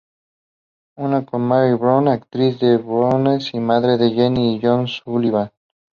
Una con Marie Brown, actriz de Broadway y madre de Jenny y John Sullivan.